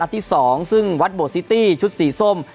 ที่๒ซึ่งวัดโบซิตี้ชุดสีส้ม